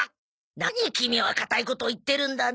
何キミは固いことを言ってるんだね？